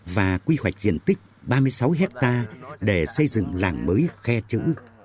và quy hoạch diện tích ba mươi sáu hectare để xây dựng làng mới khe chữ